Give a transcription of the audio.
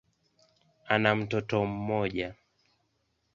Ana mtoto mmoja.